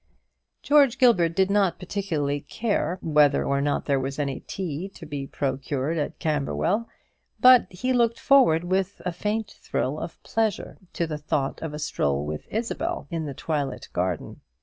George Gilbert did not particularly care whether or not there was any tea to be procured at Camberwell, but he looked forward with a faint thrill of pleasure to the thought of a stroll with Isabel in the twilit garden.